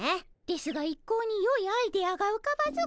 ですが一向によいアイデアがうかばず。